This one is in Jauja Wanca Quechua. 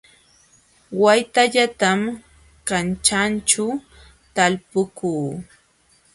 Waytallatam kanćhaaćhu talpukuu